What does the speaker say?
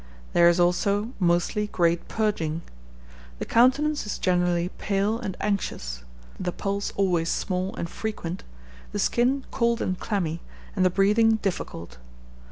There is also mostly great purging. The countenance is generally pale and anxious; the pulse always small and frequent; the skin cold and clammy, and the breathing difficult.